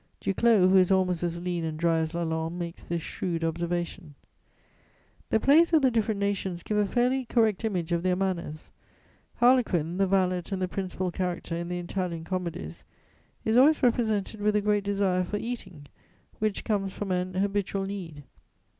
Duclos, who is almost as lean and dry as Lalande, makes this shrewd observation: "The plays of the different nations give a fairly correct image of their manners. Harlequin, the valet and the principal character in the Italian comedies, is always represented with a great desire for eating, which comes from an habitual need.